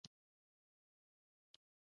ایا مصنوعي ځیرکتیا د انسان د فکر ځای نه نیسي؟